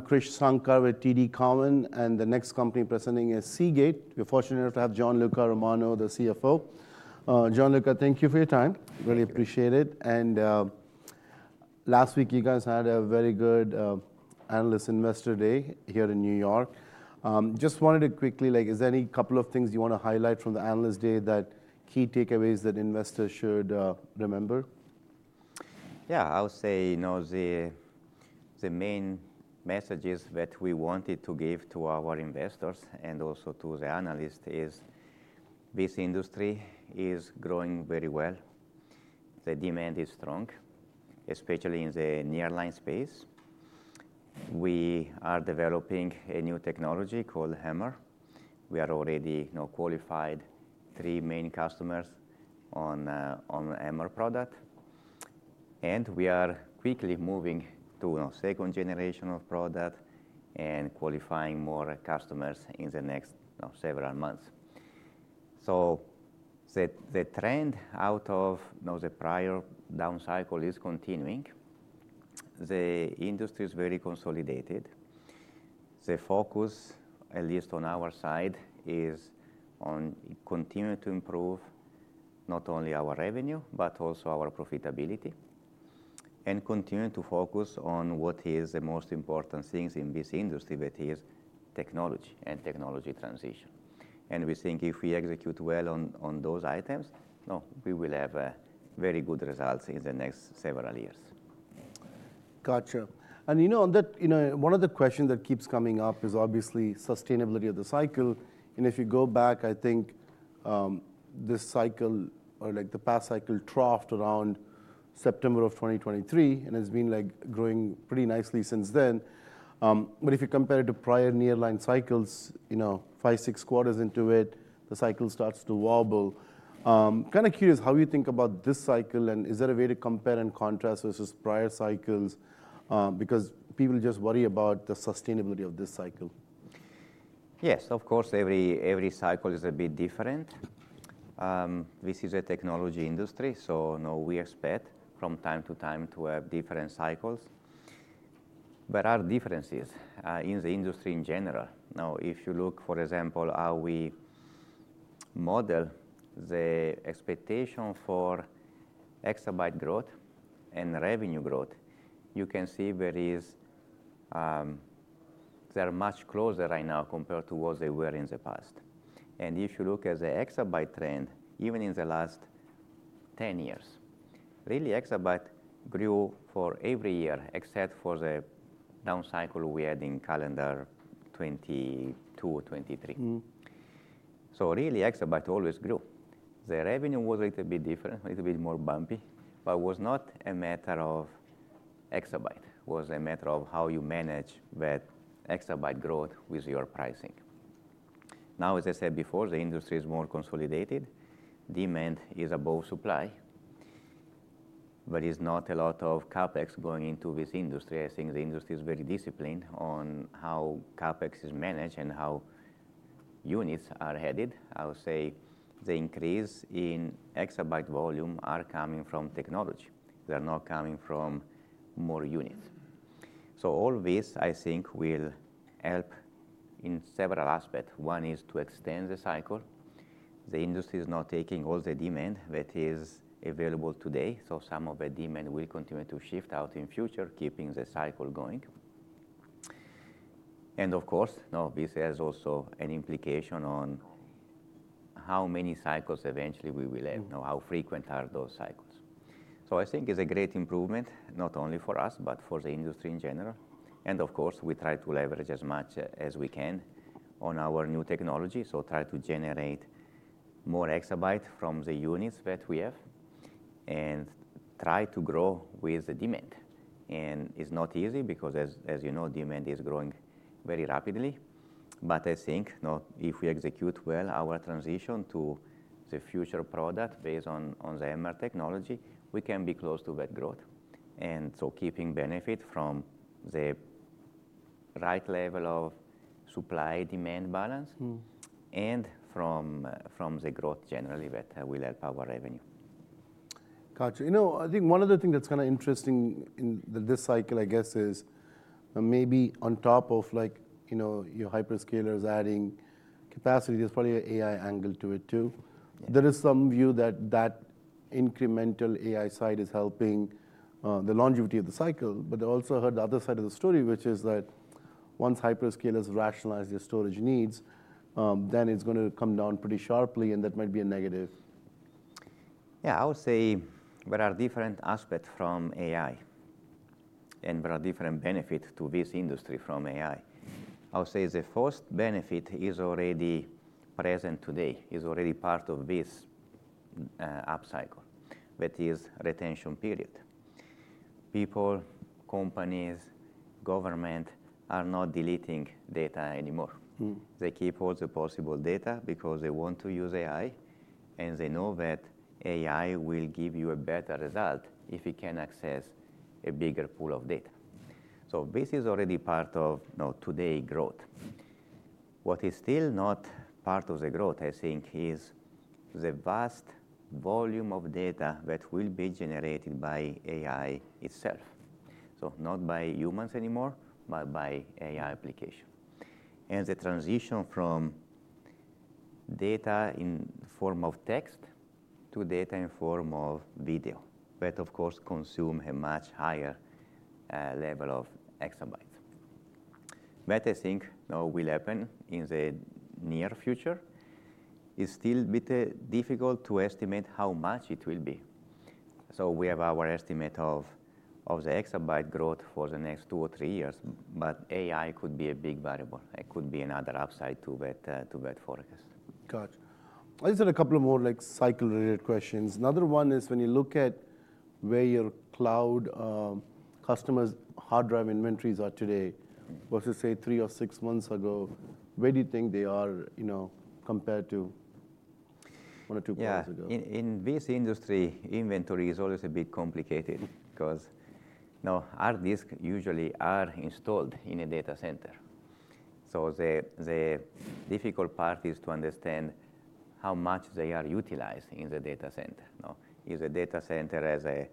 I'm Krish Sankar with TD Cowen, and the next company presenting is Seagate. We're fortunate enough to have Gianluca Romano, the CFO. Gianluca, thank you for your time. Really appreciate it. Last week you guys had a very good Analyst Investor Day here in New York. Just wanted to quickly, like, is there any couple of things you want to highlight from the Analyst Day, that key takeaways that investors should remember? Yeah, I would say, you know, the main messages that we wanted to give to our investors and also to the analysts is this industry is growing very well. The demand is strong, especially in the nearline space. We are developing a new technology called HAMR. We are already, you know, qualified three main customers on HAMR product. We are quickly moving to, you know, second generation of product and qualifying more customers in the next, you know, several months. The trend out of, you know, the prior down cycle is continuing. The industry is very consolidated. The focus, at least on our side, is on continuing to improve not only our revenue but also our profitability and continuing to focus on what is the most important things in this industry, that is technology and technology transition. We think if we execute well on, on those items, you know, we will have very good results in the next several years. Gotcha. And, you know, on that, you know, one of the questions that keeps coming up is obviously sustainability of the cycle. If you go back, I think, this cycle, or like the past cycle, troughed around September of 2023 and has been, like, growing pretty nicely since then. But if you compare it to prior nearline cycles, you know, five, six quarters into it, the cycle starts to wobble. Kind of curious, how do you think about this cycle? And is there a way to compare and contrast versus prior cycles? Because people just worry about the sustainability of this cycle. Yes, of course, every cycle is a bit different. This is a technology industry, so, you know, we expect from time to time to have different cycles. There are differences in the industry in general. Now, if you look, for example, how we model the expectation for exabyte growth and revenue growth, you can see they are much closer right now compared to what they were in the past. If you look at the exabyte trend, even in the last 10 years, really, exabyte grew for every year except for the down cycle we had in calendar 2022, 2023. Mm-hmm. Really, exabyte always grew. The revenue was a little bit different, a little bit more bumpy, but it was not a matter of exabyte. It was a matter of how you manage that exabyte growth with your pricing. Now, as I said before, the industry is more consolidated. Demand is above supply. There is not a lot of CapEx going into this industry. I think the industry is very disciplined on how CapEx is managed and how units are added. I would say the increase in exabyte volume is coming from technology. They're not coming from more units. All this, I think, will help in several aspects. One is to extend the cycle. The industry is not taking all the demand that is available today. Some of the demand will continue to shift out in future, keeping the cycle going. Of course, you know, this has also an implication on how many cycles eventually we will have, you know, how frequent are those cycles. I think it's a great improvement, not only for us but for the industry in general. Of course, we try to leverage as much as we can on our new technology, so try to generate more exabyte from the units that we have and try to grow with the demand. It's not easy because, as you know, demand is growing very rapidly. I think, you know, if we execute well our transition to the future product based on the HAMR technology, we can be close to that growth and keep benefiting from the right level of supply-demand balance. Mm-hmm. From the growth generally that will help our revenue. Gotcha. You know, I think one other thing that's kind of interesting in this cycle, I guess, is maybe on top of, like, you know, your hyperscalers adding capacity, there's probably an AI angle to it too. There is some view that incremental AI side is helping, the longevity of the cycle. I also heard the other side of the story, which is that once hyperscalers rationalize their storage needs, then it's going to come down pretty sharply, and that might be a negative. Yeah, I would say there are different aspects from AI, and there are different benefits to this industry from AI. I would say the first benefit is already present today, is already part of this up cycle, that is retention period. People, companies, government are not deleting data anymore. Mm-hmm. They keep all the possible data because they want to use AI, and they know that AI will give you a better result if you can access a bigger pool of data. This is already part of, you know, today's growth. What is still not part of the growth, I think, is the vast volume of data that will be generated by AI itself. Not by humans anymore, but by AI application. The transition from data in the form of text to data in the form of video, that, of course, consumes a much higher level of exabyte. I think, you know, will happen in the near future. It's still a bit difficult to estimate how much it will be. We have our estimate of the exabyte growth for the next two or three years, but AI could be a big variable. There could be another upside to that, to that forecast. Gotcha. I just had a couple of more, like, cycle-related questions. Another one is when you look at where your cloud, customers' hard drive inventories are today versus, say, three or six months ago, where do you think they are, you know, compared to one or two quarters ago? Yeah. In this industry, inventory is always a bit complicated because, you know, hard disks usually are installed in a data center. The difficult part is to understand how much they are utilized in the data center. You know, if the data center has a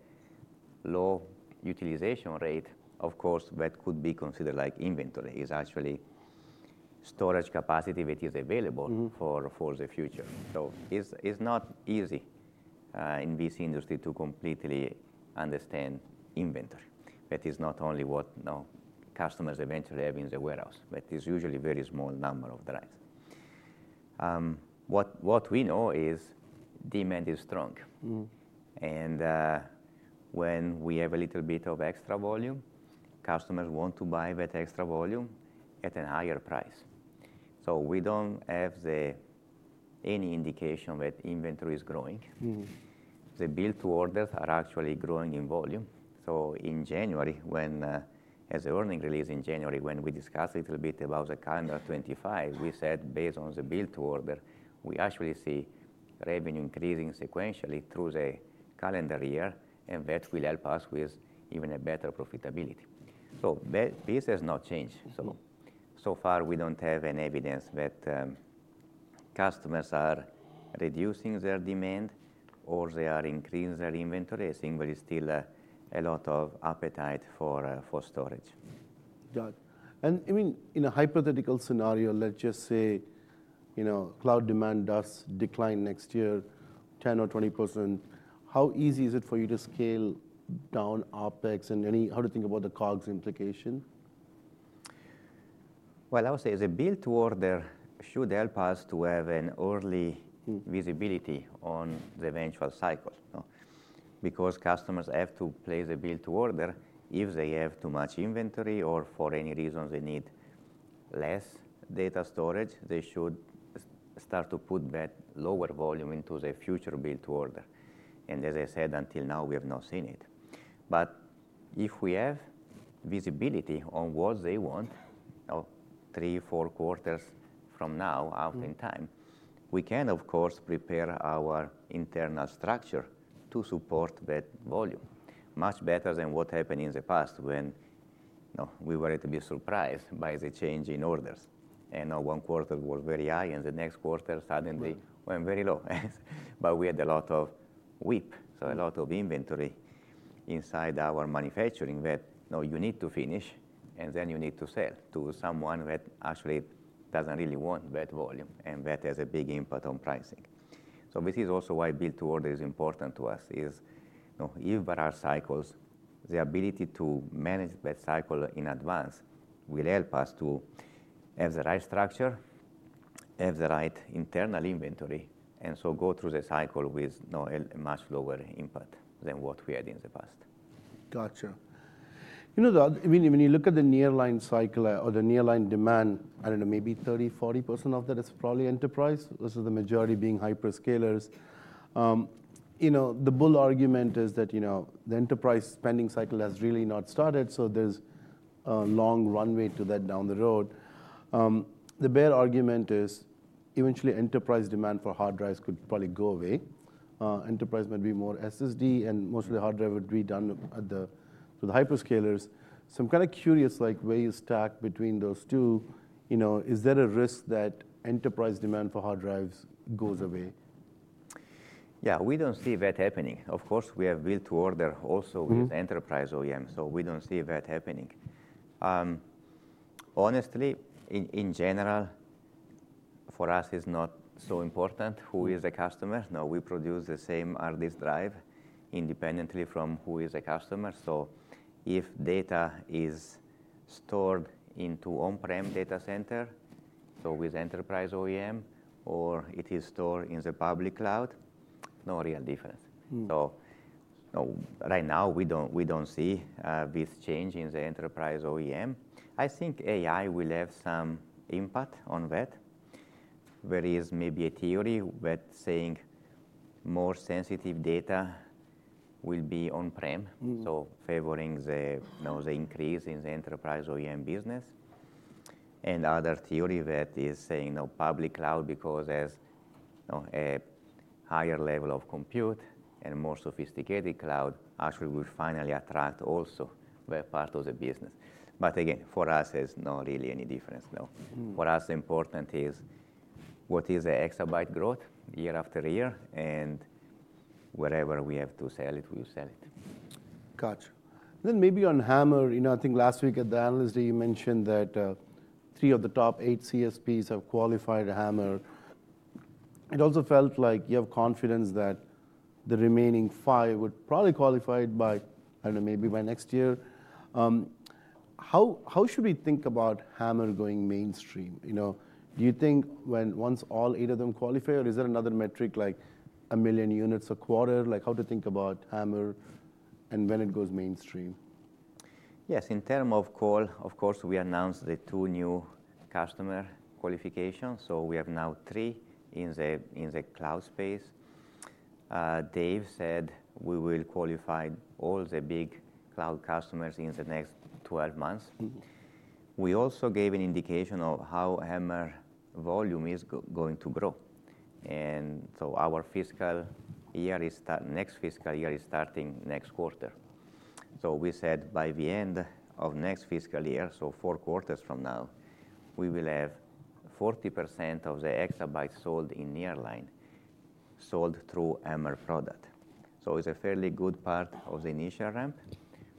low utilization rate, of course, that could be considered like inventory. It's actually storage capacity that is available. Mm-hmm. For the future. It's not easy, in this industry, to completely understand inventory. That is not only what, you know, customers eventually have in the warehouse, but it's usually a very small number of drives. What we know is demand is strong. Mm-hmm. When we have a little bit of extra volume, customers want to buy that extra volume at a higher price. So we do not have any indication that inventory is growing. Mm-hmm. The bill-to-orders are actually growing in volume. In January, when, as the earnings release in January, when we discussed a little bit about the calendar 2025, we said based on the bill-to-order, we actually see revenue increasing sequentially through the calendar year, and that will help us with even a better profitability. This has not changed. Mm-hmm. So far, we don't have any evidence that customers are reducing their demand or they are increasing their inventory. I think there is still a lot of appetite for storage. Got it. I mean, in a hypothetical scenario, let's just say, you know, cloud demand does decline next year, 10% or 20%, how easy is it for you to scale down OPEX and any how do you think about the COGS implication? I would say the bill-to-order should help us to have an early visibility on the eventual cycle, you know, because customers have to place a bill-to-order. If they have too much inventory or for any reason they need less data storage, they should start to put that lower volume into the future bill-to-order. As I said, until now, we have not seen it. If we have visibility on what they want, you know, three, four quarters from now out in time, we can, of course, prepare our internal structure to support that volume, much better than what happened in the past when, you know, we were a little bit surprised by the change in orders. You know, one quarter was very high, and the next quarter suddenly went very low. Mm-hmm. We had a lot of WIP, so a lot of inventory inside our manufacturing that, you know, you need to finish, and then you need to sell to someone that actually does not really want that volume. That has a big impact on pricing. This is also why bill-to-order is important to us, is, you know, if there are cycles, the ability to manage that cycle in advance will help us to have the right structure, have the right internal inventory, and go through the cycle with, you know, a much lower impact than what we had in the past. Gotcha. You know, Doug, I mean, when you look at the nearline cycle or the nearline demand, I do not know, maybe 30-40% of that is probably enterprise versus the majority being hyperscalers. You know, the bull argument is that, you know, the enterprise spending cycle has really not started, so there is a long runway to that down the road. The bear argument is eventually enterprise demand for hard drives could probably go away. Enterprise might be more SSD, and mostly hard drive would be done for the hyperscalers. I am kind of curious, like, where you stack between those two. You know, is there a risk that enterprise demand for hard drives goes away? Yeah, we do not see that happening. Of course, we have bill-to-order also with enterprise OEM, so we do not see that happening. Honestly, in general, for us, it is not so important who is the customer. You know, we produce the same hard disk drive independently from who is the customer. So if data is stored into on-prem data center, so with enterprise OEM, or it is stored in the public cloud, no real difference. Mm-hmm. Right now, we do not see this change in the enterprise OEM. I think AI will have some impact on that. There is maybe a theory that is saying more sensitive data will be on-prem. Mm-hmm. Favoring the, you know, the increase in the enterprise OEM business. Another theory that is saying, you know, public cloud because there's, you know, a higher level of compute and more sophisticated cloud actually will finally attract also that part of the business. But again, for us, there's not really any difference, no. Mm-hmm. For us, the important is what is the exabyte growth year after year, and wherever we have to sell it, we will sell it. Gotcha. Then maybe on HAMR, you know, I think last week at the analyst day, you mentioned that three of the top eight CSPs have qualified HAMR. It also felt like you have confidence that the remaining five would probably qualify by, I don't know, maybe by next year. How should we think about HAMR going mainstream? You know, do you think once all eight of them qualify, or is there another metric like a million units a quarter? Like, how to think about HAMR and when it goes mainstream? Yes. In terms of call, of course, we announced the two new customer qualifications. So we have now three in the cloud space. Dave said we will qualify all the big cloud customers in the next 12 months. Mm-hmm. We also gave an indication of how HAMR volume is going to grow. Our fiscal year is starting next quarter. We said by the end of next fiscal year, four quarters from now, we will have 40% of the exabytes sold in nearline sold through HAMR product. It is a fairly good part of the initial ramp.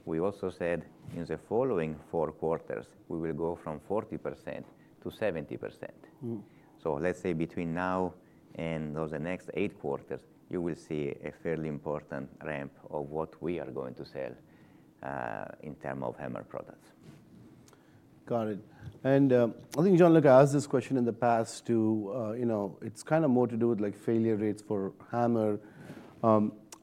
We also said in the following four quarters, we will go from 40% to 70%. Mm-hmm. Let's say between now and, you know, the next eight quarters, you will see a fairly important ramp of what we are going to sell, in terms of HAMR products. Got it. I think Gianluca, like, I asked this question in the past too, you know, it's kind of more to do with, like, failure rates for HAMR.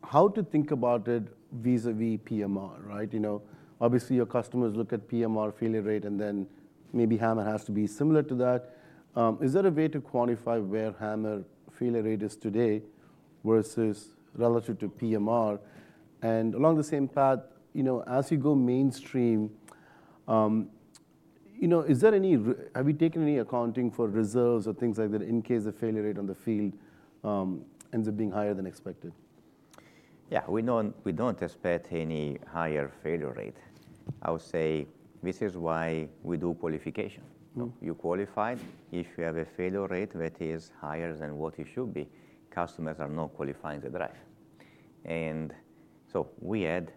How to think about it vis-à-vis PMR, right? You know, obviously, your customers look at PMR failure rate, and then maybe HAMR has to be similar to that. Is there a way to quantify where HAMR failure rate is today versus relative to PMR? Along the same path, you know, as you go mainstream, you know, is there any, have you taken any accounting for reserves or things like that in case the failure rate on the field ends up being higher than expected? Yeah, we don't expect any higher failure rate. I would say this is why we do qualification. Mm-hmm. You qualified. If you have a failure rate that is higher than what it should be, customers are not qualifying the drive. We had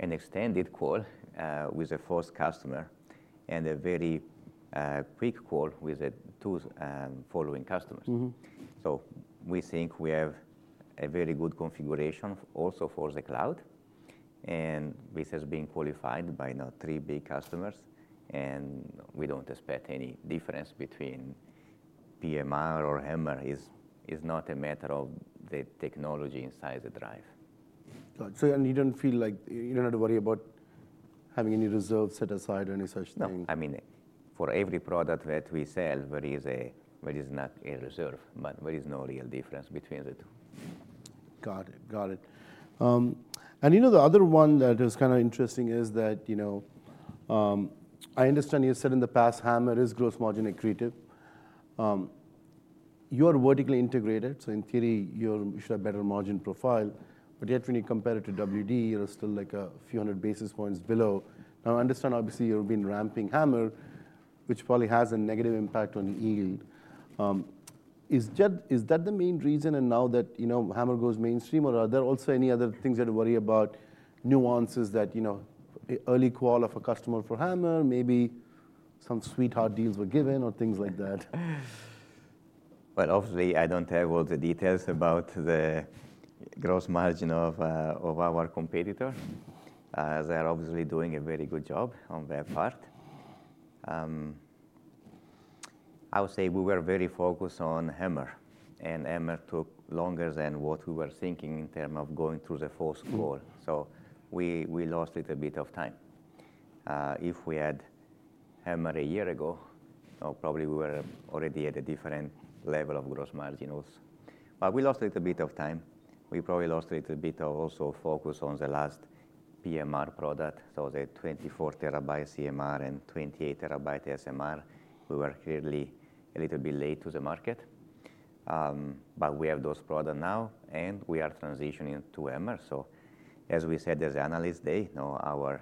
an extended call with the first customer and a very quick call with the two following customers. Mm-hmm. We think we have a very good configuration also for the cloud, and this has been qualified by, you know, three big customers. We do not expect any difference between PMR or HAMR. It is not a matter of the technology inside the drive. Got it. And you do not feel like you do not have to worry about having any reserves set aside or any such thing? No. I mean, for every product that we sell, there is not a reserve, but there is no real difference between the two. Got it. Got it. And, you know, the other one that is kind of interesting is that, you know, I understand you said in the past HAMR is gross margin accretive. You are vertically integrated, so in theory, you should have better margin profile. Yet, when you compare it to WD, Western Digital, you're still, like, a few hundred basis points below. Now, I understand, obviously, you've been ramping HAMR, which probably has a negative impact on yield. Is that the main reason and now that, you know, HAMR goes mainstream, or are there also any other things you had to worry about, nuances that, you know, early call of a customer for HAMR, maybe some sweetheart deals were given or things like that? Obviously, I don't have all the details about the gross margin of our competitor. They're obviously doing a very good job on their part. I would say we were very focused on HAMR, and HAMR took longer than what we were thinking in terms of going through the fourth call. We lost a little bit of time. If we had HAMR a year ago, you know, probably we were already at a different level of gross margin also. We lost a little bit of time. We probably lost a little bit also focus on the last PMR product. The 24TB CMR and 28TB SMR, we were clearly a little bit late to the market. We have those products now, and we are transitioning to HAMR. As we said as an analyst day, you know, our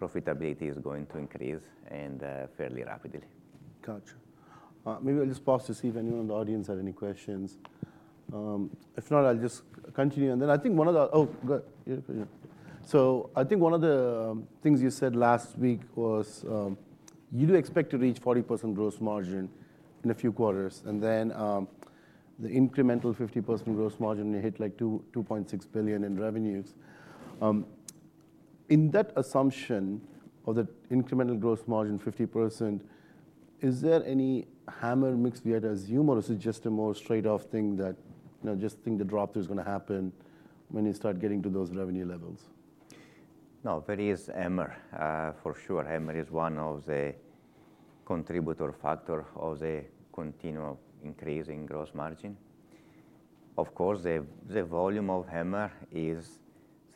profitability is going to increase and, fairly rapidly. Gotcha. Maybe I'll just pause to see if anyone in the audience had any questions. If not, I'll just continue. I think one of the—oh, go ahead. You have a question. I think one of the things you said last week was, you do expect to reach 40% gross margin in a few quarters, and then, the incremental 50% gross margin you hit, like, $2.6 billion in revenues. In that assumption of that incremental gross margin 50%, is there any HAMR mix we had to assume, or is it just a more straight-up thing that, you know, just think the drop-through is going to happen when you start getting to those revenue levels? No, that is HAMR, for sure. HAMR is one of the contributor factors of the continual increase in gross margin. Of course, the volume of HAMR is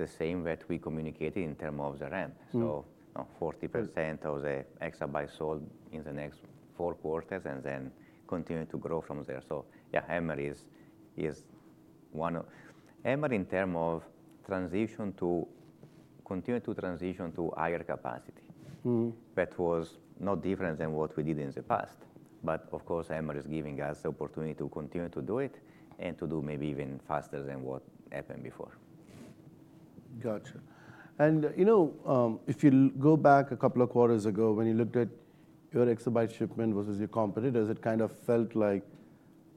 the same that we communicated in term of the ramp. Mm-hmm. You know, 40% of the exabytes sold in the next four quarters and then continue to grow from there. Yeah, HAMR is one of HAMR in terms of transition to continue to transition to higher capacity. Mm-hmm. That was not different than what we did in the past. Of course, HAMR is giving us the opportunity to continue to do it and to do maybe even faster than what happened before. Gotcha. You know, if you go back a couple of quarters ago when you looked at your exabyte shipment versus your competitors, it kind of felt like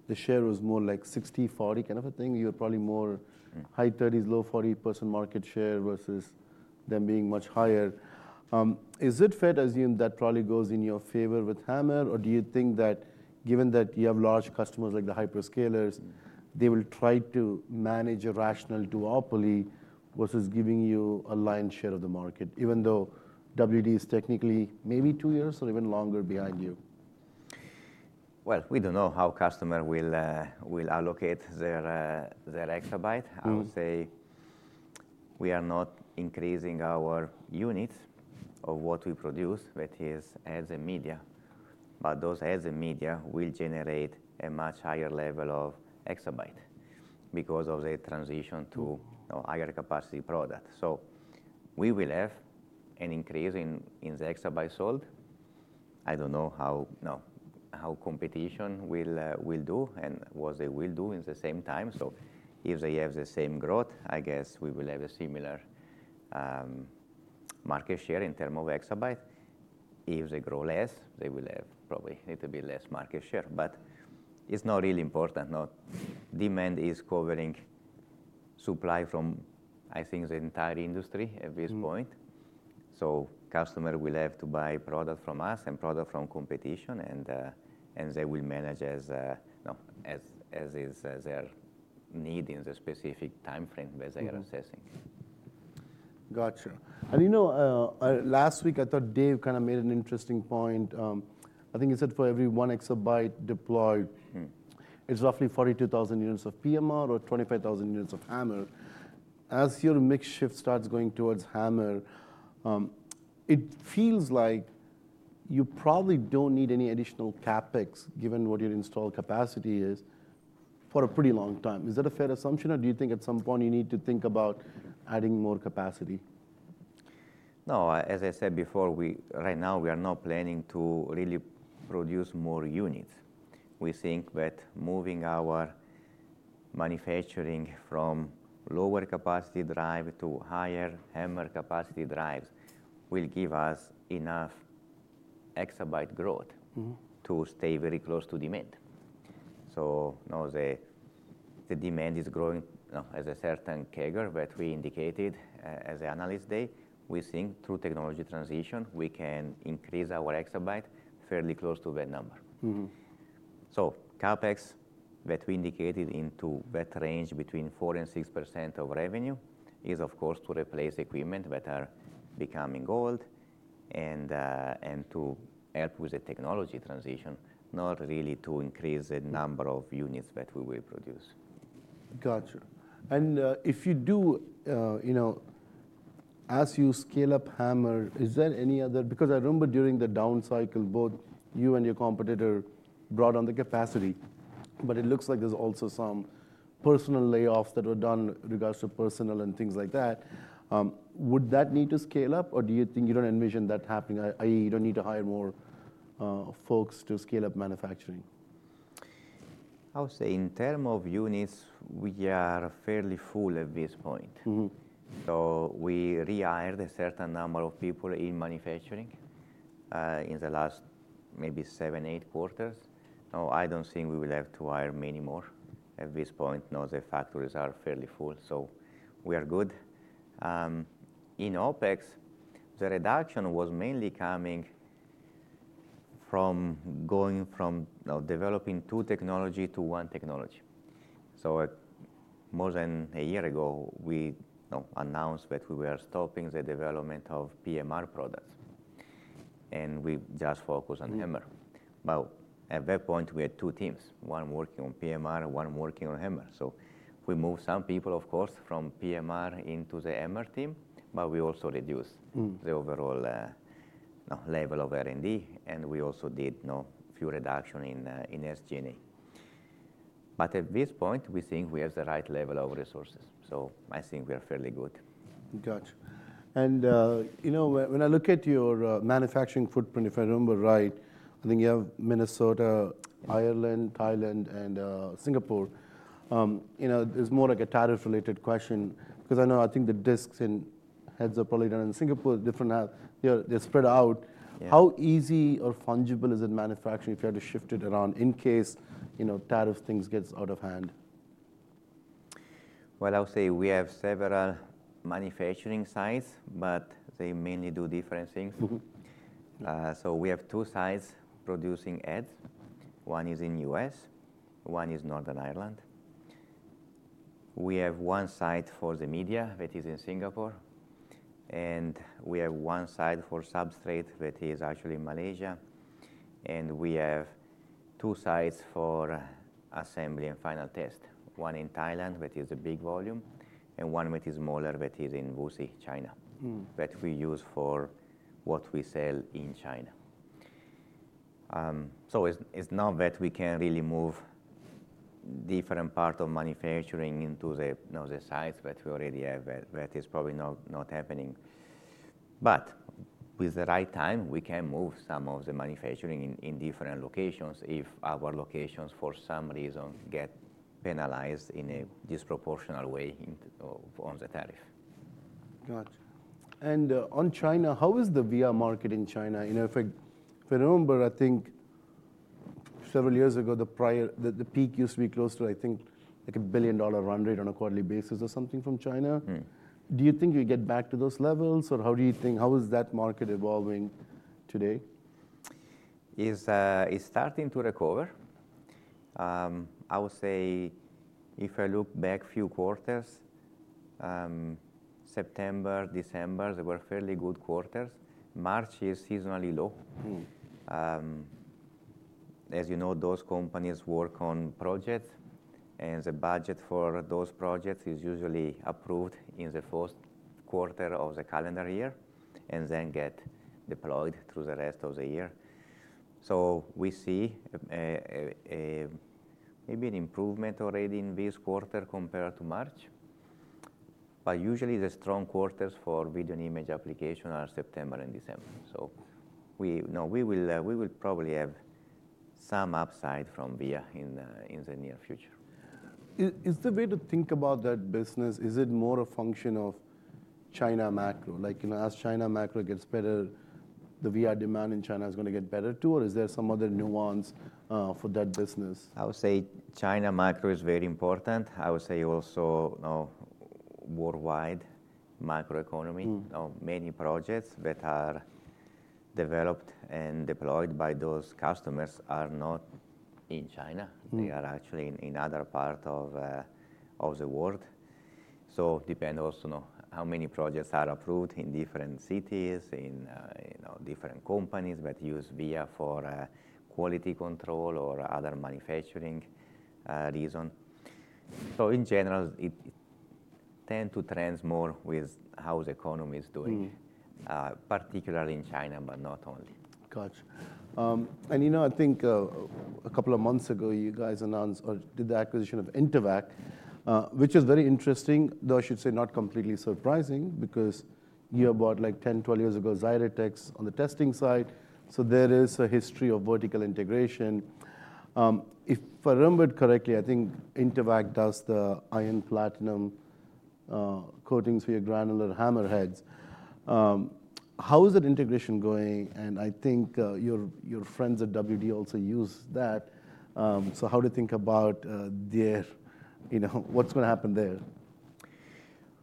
the share was more like 60-40 kind of a thing. You were probably more. Mm-hmm. High 30s, low 40% market share versus them being much higher. Is it fair to assume that probably goes in your favor with HAMR, or do you think that given that you have large customers like the hyperscalers, they will try to manage a rationale duopoly versus giving you a lion's share of the market, even though WD is technically maybe two years or even longer behind you? We don't know how customer will allocate their exabyte. Mm-hmm. I would say we are not increasing our units of what we produce, that is, as a media. But those as a media will generate a much higher level of exabyte because of the transition to, you know, higher capacity product. We will have an increase in the exabyte sold. I do not know how, you know, how competition will do and what they will do in the same time. If they have the same growth, I guess we will have a similar market share in terms of exabyte. If they grow less, they will have probably a little bit less market share. It is not really important, no? Demand is covering supply from, I think, the entire industry at this point. Mm-hmm. Customer will have to buy product from us and product from competition, and they will manage as, you know, as is, their need in the specific time frame that they are assessing. Gotcha. You know, last week, I thought Dave kind of made an interesting point. I think he said for every one exabyte deployed. Mm-hmm. It's roughly 42,000 units of PMR or 25,000 units of HAMR. As your mix shift starts going towards HAMR, it feels like you probably don't need any additional CapEx given what your install capacity is for a pretty long time. Is that a fair assumption, or do you think at some point you need to think about adding more capacity? No, as I said before, we right now, we are not planning to really produce more units. We think that moving our manufacturing from lower capacity drive to higher HAMR capacity drives will give us enough exabyte growth. Mm-hmm. To stay very close to demand. You know, the demand is growing, you know, at a certain CAGR that we indicated at Analyst Day. We think through technology transition, we can increase our exabyte fairly close to that number. Mm-hmm. CapEx that we indicated into that range between 4% and 6% of revenue is, of course, to replace equipment that are becoming old and, and to help with the technology transition, not really to increase the number of units that we will produce. Gotcha. And, if you do, you know, as you scale up HAMR, is there any other, because I remember during the down cycle, both you and your competitor brought on the capacity, but it looks like there's also some personnel layoffs that were done in regards to personnel and things like that. Would that need to scale up, or do you think you don't envision that happening, i.e., you don't need to hire more folks to scale up manufacturing? I would say in terms of units, we are fairly full at this point. Mm-hmm. We rehired a certain number of people in manufacturing, in the last maybe seven, eight quarters. Now, I do not think we will have to hire many more at this point. You know, the factories are fairly full, so we are good. In OpEx, the reduction was mainly coming from going from, you know, developing two technology to one technology. More than a year ago, we, you know, announced that we were stopping the development of PMR products, and we just focus on HAMR. Mm-hmm. At that point, we had two teams, one working on PMR, one working on HAMR. We moved some people, of course, from PMR into the HAMR team, but we also reduced. Mm-hmm. The overall, you know, level of R&D, and we also did, you know, a few reductions in SG&A. At this point, we think we have the right level of resources. I think we are fairly good. Gotcha. You know, when I look at your manufacturing footprint, if I remember right, I think you have Minnesota, Ireland, Thailand, and Singapore. You know, there's more like a tariff-related question because I know, I think the discs and heads are probably done in Singapore. Different, they're spread out. Yeah. How easy or fungible is it manufacturing if you had to shift it around in case, you know, tariff things get out of hand? I would say we have several manufacturing sites, but they mainly do different things. Mm-hmm. So we have two sites producing heads. One is in the U.S., one is in Northern Ireland. We have one site for the media that is in Singapore, and we have one site for substrate that is actually in Malaysia. We have two sites for assembly and final test, one in Thailand that is a big volume, and one that is smaller that is in Wuxi, China. Mm-hmm. That we use for what we sell in China. So it's, it's not that we can really move different parts of manufacturing into the, you know, the sites that we already have. That is probably not, not happening. With the right time, we can move some of the manufacturing in different locations if our locations, for some reason, get penalized in a disproportional way on the tariff. Gotcha. On China, how is the VR market in China? You know, if I remember, I think several years ago, the prior, the peak used to be close to, I think, like a billion-dollar run rate on a quarterly basis or something from China. Mm-hmm. Do you think you get back to those levels, or how do you think how is that market evolving today? Is starting to recover. I would say if I look back a few quarters, September, December, they were fairly good quarters. March is seasonally low. Mm-hmm. As you know, those companies work on projects, and the budget for those projects is usually approved in the fourth quarter of the calendar year and then get deployed through the rest of the year. We see maybe an improvement already in this quarter compared to March. Usually, the strong quarters for video and image application are September and December. We, you know, we will probably have some upside from VR in the near future. Is the way to think about that business, is it more a function of China macro? Like, you know, as China macro gets better, the VR demand in China is going to get better too, or is there some other nuance for that business? I would say China macro is very important. I would say also, you know, worldwide macroeconomy. Mm-hmm. You know, many projects that are developed and deployed by those customers are not in China. Mm-hmm. They are actually in other parts of the world. So depend also, you know, how many projects are approved in different cities, in, you know, different companies that use VR for quality control or other manufacturing reason. In general, it tends to trend more with how the economy is doing. Mm-hmm. particularly in China, but not only. Gotcha. And, you know, I think a couple of months ago, you guys announced or did the acquisition of Intevac, which is very interesting, though I should say not completely surprising because you bought, like, 10-12 years ago, XyraTex on the testing side. So there is a history of vertical integration. If I remember correctly, I think Intevac does the iron-platinum coatings via granular HAMR heads. How is that integration going? And I think your friends at WD also use that. So how do you think about their, you know, what's going to happen there?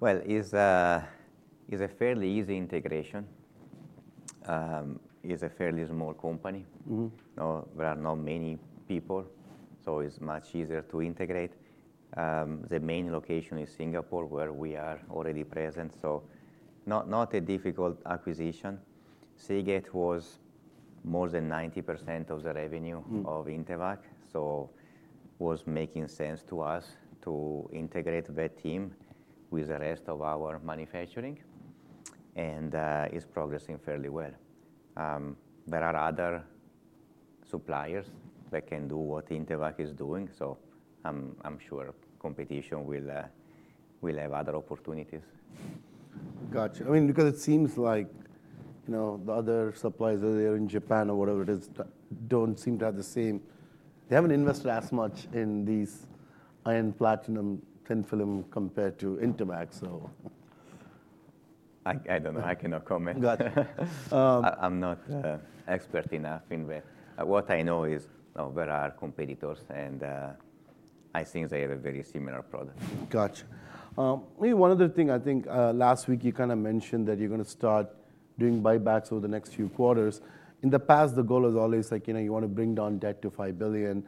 It's a fairly easy integration. It's a fairly small company. Mm-hmm. You know, there are not many people, so it's much easier to integrate. The main location is Singapore, where we are already present. So not, not a difficult acquisition. Seagate was more than 90% of the revenue. Mm-hmm. Of Intevac. It was making sense to us to integrate that team with the rest of our manufacturing, and it's progressing fairly well. There are other suppliers that can do what Intevac is doing, so I'm sure competition will have other opportunities. Gotcha. I mean, because it seems like, you know, the other suppliers over there in Japan or whatever it is, do not seem to have the same—they have not invested as much in these iron-platinum thin film compared to Intevac, so. I don't know. I cannot comment. Gotcha. I'm not expert enough in that. What I know is, you know, there are competitors, and I think they have a very similar product. Gotcha. Maybe one other thing. I think, last week, you kind of mentioned that you're going to start doing buybacks over the next few quarters. In the past, the goal was always like, you know, you want to bring down debt to $5 billion.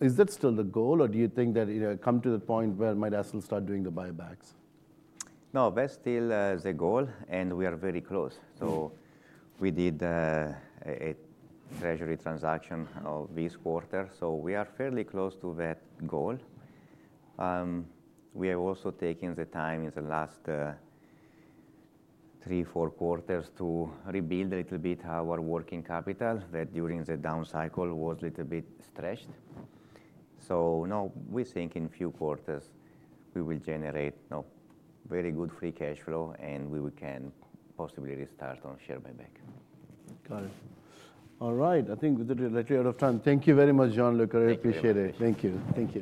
Is that still the goal, or do you think that, you know, come to the point where it might actually start doing the buybacks? No, that's still the goal, and we are very close. Mm-hmm. We did a treasury transaction this quarter. We are fairly close to that goal. We have also taken the time in the last three, four quarters to rebuild a little bit our working capital that during the down cycle was a little bit stretched. You know, we think in a few quarters, we will generate, you know, very good free cash flow, and we can possibly restart on share buyback. Got it. All right. I think we did it. I think we're out of time. Thank you very much, Gianluca. Thank you. Appreciate it. Thank you. Thank you.